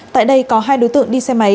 tại đây có hai đối tượng đi xe máy